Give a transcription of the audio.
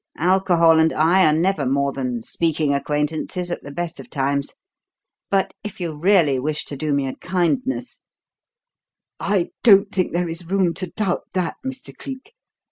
Alcohol and I are never more than speaking acquaintances at the best of times. But if you really wish to do me a kindness " "I don't think there is room to doubt that, Mr. Cleek.